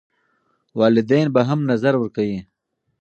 والدین به هم نظر ورکوي.